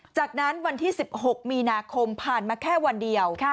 จากนั้นวันที่๑๖มีนาคมผ่านมาแค่วันเดียว